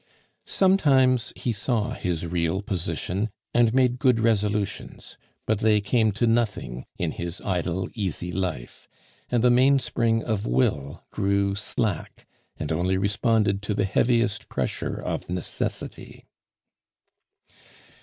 Sometimes he saw his real position, and made good resolutions, but they came to nothing in his idle, easy life; and the mainspring of will grew slack, and only responded to the heaviest pressure of necessity.